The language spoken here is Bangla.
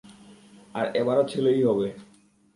আর এবারও ছেলেই হবে।